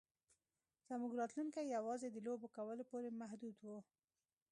زموږ راتلونکی یوازې د لوبو کولو پورې محدود و